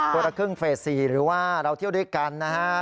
คนละครึ่งเฟส๔หรือว่าเราเที่ยวด้วยกันนะฮะ